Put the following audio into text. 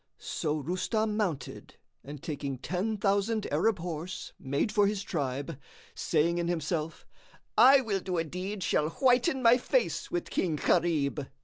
So Rustam mounted and taking ten thousand Arab horse made for his tribe, saying in himself, "I will do a deed shall whiten my face with King Gharib."